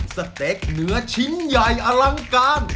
สเต็กเนื้อชิ้นใหญ่อลังการ